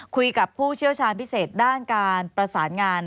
ผู้เชี่ยวชาญพิเศษด้านการประสานงาน